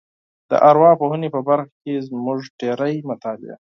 د ارواپوهنې په برخه کې زموږ ډېری مطالعه